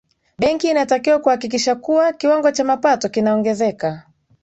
benki inatakiwa kuhakikisha kuwa kiwango cha mapato kinaongezeka